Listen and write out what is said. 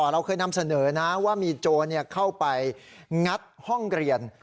เราเคยนำเสนอนะว่ามีโจรเข้าไปงัดห้องเรียน